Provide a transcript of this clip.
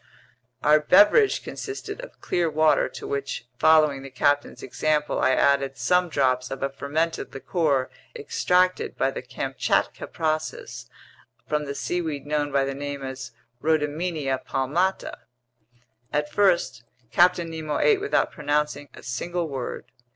Our beverage consisted of clear water to which, following the captain's example, I added some drops of a fermented liquor extracted by the Kamchatka process from the seaweed known by name as Rhodymenia palmata. At first Captain Nemo ate without pronouncing a single word.